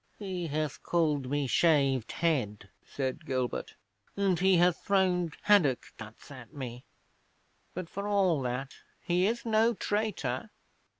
'"He hath called me shaved head," said Gilbert, "and he hath thrown haddock guts at me; but for all that, he is no traitor."